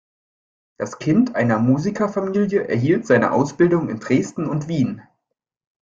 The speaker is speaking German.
Das Kind einer Musikerfamilie erhielt seine Ausbildung in Dresden und Wien.